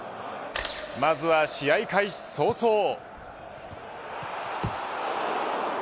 まずは試合開始早々。